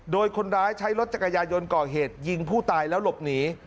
โดยคนร้ายใช้รถจักรยายนก่อเหตุยิงผู้ตายแล้วหลบหนี